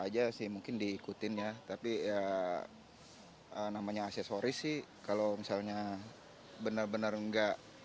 aja sih mungkin diikutin ya tapi ya namanya aksesoris sih kalau misalnya benar benar enggak